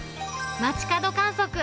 街角観測。